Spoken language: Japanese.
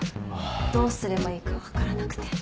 どうすればいいか分からなくて。